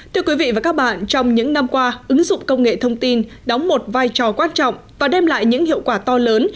thưa quý vị và các bạn trong những năm qua ứng dụng công nghệ thông tin đóng một vai trò quan trọng và đem lại những hiệu quả to lớn